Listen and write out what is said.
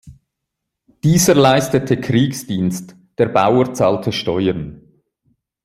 Dieser leistete Kriegsdienst, der Bauer zahlte Steuern.